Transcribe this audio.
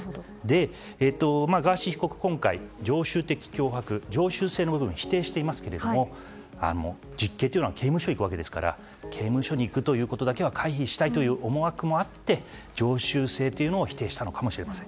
ガーシー被告、今回常習的脅迫の、常習性の部分を否定していますけれども実刑というのは刑務所に行くわけですから刑務所に行くことだけは回避したいという思惑もあって常習性というのは否定したのかもしれません。